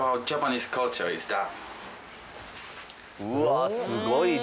うわぁすごい量。